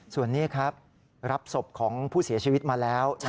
ส่วนนี้ครับรับศพของผู้เสียชีวิตมาแล้ว